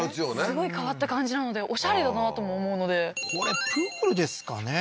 すごい変わった感じなのでオシャレだなとも思うのでこれプールですかね？